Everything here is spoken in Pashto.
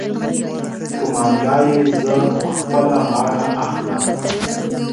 قومانده يې زه په خپله غاړه اخلم.